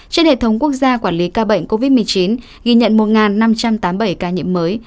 trên hệ thống quốc gia quản lý ca bệnh covid một mươi chín ghi nhận một năm trăm tám mươi bảy ca nhiễm mới